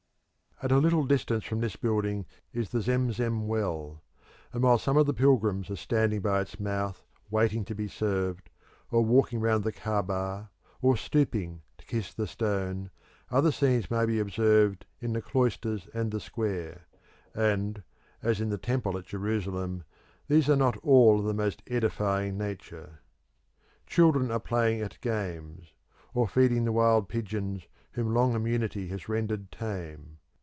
At a little distance from this building is the Zemzem well, and while some of the pilgrims are standing by its mouth waiting to be served, or walking round the Caaba, or stooping to kiss the stone, other scenes may be observed in the cloisters and the square; and, as in the Temple at Jerusalem, these are not all of the most edifying nature. Children are playing at games, or feeding the wild pigeons whom long immunity has rendered tame.